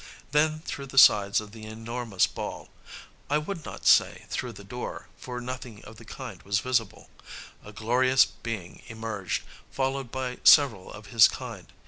Then through the sides of the enormous ball I would not say, through the door, for nothing of the kind was visible a glorious being emerged, followed by several of his kind.